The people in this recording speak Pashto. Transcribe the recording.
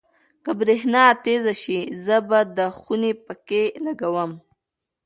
که برېښنا تېزه شي، زه به د خونې پکۍ لګوم.